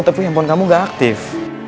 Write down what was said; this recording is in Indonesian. tapi handphone kamu gak aktif